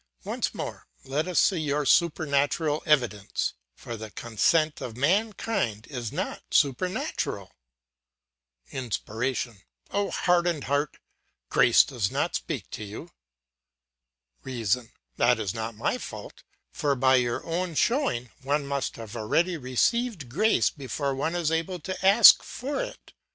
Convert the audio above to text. Once more, let us see your supernatural evidence, for the consent of mankind is not supernatural. "INSPIRATION: Oh, hardened heart, grace does not speak to you. "REASON: That is not my fault; for by your own showing, one must have already received grace before one is able to ask for it.